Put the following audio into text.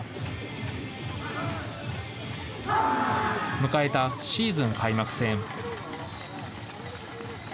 迎えたシーズン開幕戦。